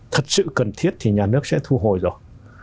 thật sự cần thiết thì nhà nước sẽ thu hồi rồi